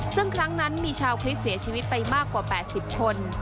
ซึ่งครั้งนั้นมีชาวคริสต์เสียชีวิตไปมากกว่า๘๐คน